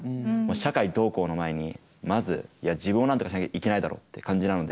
社会どうこうの前にまずいや自分をなんとかしなきゃいけないだろうって感じなので。